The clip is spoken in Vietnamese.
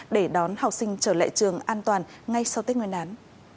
để đón học sinh trở lại trường an toàn ngay sau tết nguyên đán